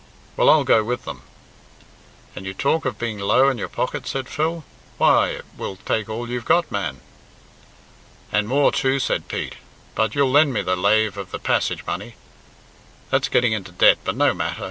Well, I'll go with them." "And you talk of being low in your pocket," said Phil. "Why, it will take all you've got, man." "And more, too," said Pete, "but you'll lend me the lave of the passage money. That's getting into debt, but no matter.